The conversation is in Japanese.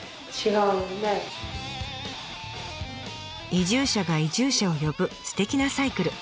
移住者が移住者を呼ぶすてきなサイクル。